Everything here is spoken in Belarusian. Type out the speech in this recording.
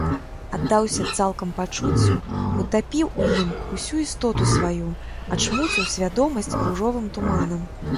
Аддаўся цалком пачуццю, утапіў у ім усю істоту сваю, ачмуціў свядомасць ружовым туманам.